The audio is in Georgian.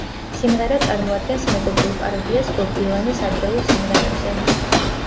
სიმღერა წარმოადგენს მეგობრულ პაროდიას ბობ დილანის ადრეულ სიმღერებზე.